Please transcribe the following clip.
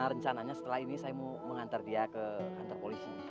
rencananya setelah ini saya mau mengantar dia ke kantor polisi